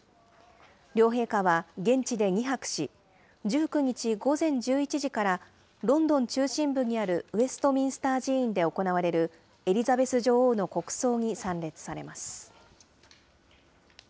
両陛下は、現地で２泊し、１９日午前１１時から、ロンドン中心部にあるウェストミンスター寺院で行われるエリザベス女王の国葬に参列されます。